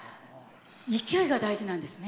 勢いが大事なんですね。